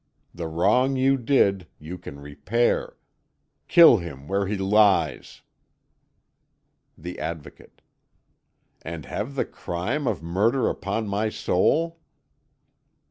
The wrong you did you can repair. Kill him where he lies!" The Advocate: "And have the crime of murder upon my soul?"